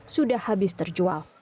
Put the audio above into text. sudah habis terjual